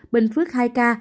bình phước hai ca